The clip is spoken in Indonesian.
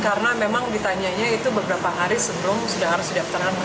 karena memang ditanyanya itu beberapa hari sebelum sudah harus diaptenan pkp